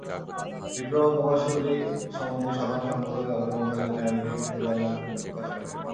Diploma প্রকৌশলী সমিতির সাধারণ সম্পাদক আবদুল মোতালেব চ্যানেলটির প্রতি তার মুগ্ধতা প্রকাশ করেন।